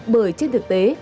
bởi trên thực tế